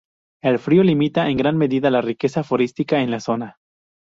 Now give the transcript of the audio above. El frío limita en gran medida la riqueza florística en la zona.